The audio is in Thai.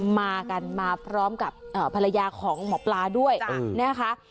มากันมาพร้อมกับภรรยาของหมอปลาด้วยนะคะ